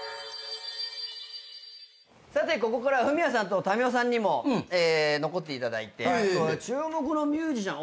さてここからはフミヤさんと民生さんにも残っていただいて注目のミュージシャン。